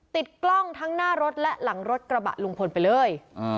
ติดกล้องทั้งหน้ารถและหลังรถกระบะลุงพลไปเลย